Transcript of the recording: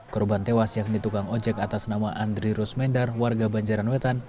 korban tewas yakni tukang ojek atas nama andri rusmendar warga bandung